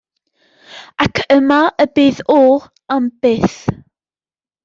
Ac yma y bydd o, am byth.